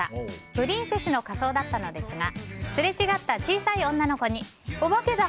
プリンセスの仮装だったのですがすれ違った小さい女の子にお化けだ！